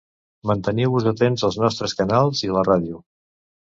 Manteniu-vos atents als nostres canals i a la ràdio.